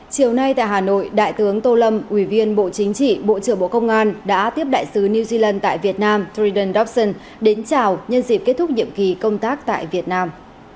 chiều nay tại hà nội đại tướng tô lâm ủy viên bộ chính trị bộ trưởng bộ công an đã tiếp đại sứ new zealand tại việt nam triden dobson đến chào nhân dịp kết thúc nhiệm kỳ công tác tại việt nam